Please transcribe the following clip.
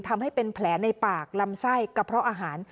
ทำให้เป็นแผลในปากลำไส้กระเพาะอาหาร